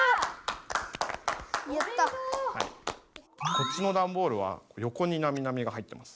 こっちのダンボールはよこになみなみが入ってます。